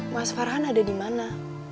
mas farhan ada di mana